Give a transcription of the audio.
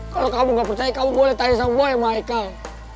kalau kamu gak percaya kamu boleh tanya sama boy michael